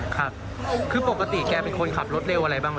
ครับคือปกติแกเป็นคนขับรถเร็วอะไรบ้าง